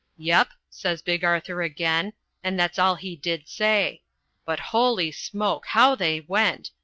'Yep,' says Big Arthur again, and that's all he did say; but, holy smoke! how they went!